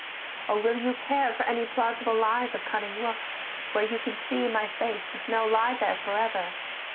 or will you care For any plausible lies of cunning woof, Where you can see my face with no lie there "For ever?